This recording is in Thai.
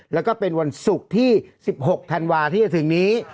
แล้วก็เป็นวันศุกร์ที่๑๖ธันวาที่จะถึงนี้